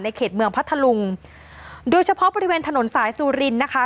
เขตเมืองพัทธลุงโดยเฉพาะบริเวณถนนสายสุรินนะคะ